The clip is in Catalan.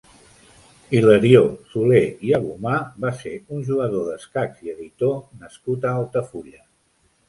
Hilarió Soler i Alomà va ser un jugador d'escacs i editor nascut a Altafulla.